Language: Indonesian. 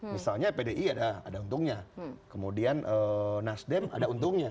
misalnya pdi ada untungnya kemudian nasdem ada untungnya